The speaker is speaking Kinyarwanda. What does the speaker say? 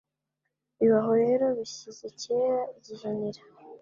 Biba aho rero bishyize kera Gihinira